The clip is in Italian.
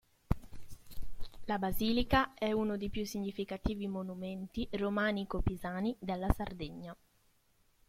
La basilica è uno dei più significativi monumenti romanico-pisani della Sardegna.